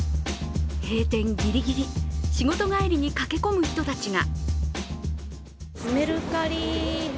閉店ギリギリ、仕事帰りに駆け込む人たちが。